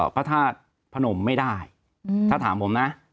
พระธาตุพนมไม่ได้ถ้าถามผมนะ